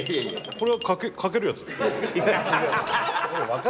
これはかけるやつですか？